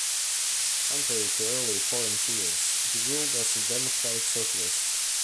Contrary to earlier foreign fears, he ruled as a democratic socialist.